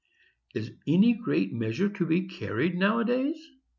Is any great measure to be carried, now a days?